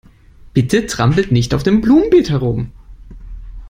Bitte trampelt nicht auf dem Blumenbeet herum.